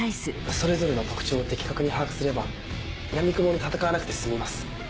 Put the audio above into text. それぞれの特徴を的確に把握すればやみくもに戦わなくて済みます。